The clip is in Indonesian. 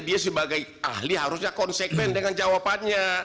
dia sebagai ahli harusnya konsekuen dengan jawabannya